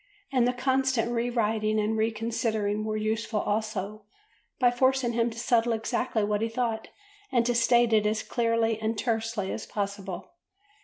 And the constant re writing and re considering were useful also by forcing him to settle exactly what he thought and to state it as clearly and tersely as possible.